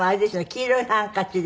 『黄色いハンカチ』で。